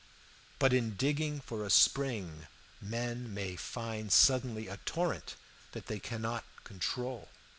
"But in digging for a spring men may find suddenly a torrent that they cannot control.